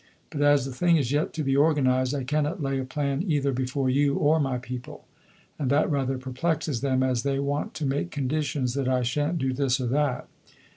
But as the thing is yet to be organized, I cannot lay a plan either before you or my people. And that rather perplexes them, as they want to make conditions that I shan't do this or that.